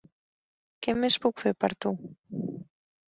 Què més puc fer per tu?